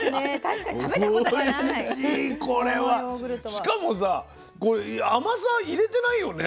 しかもさこれ甘さ入れてないよね？